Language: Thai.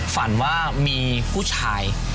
ฝันว่ามีผู้ชาย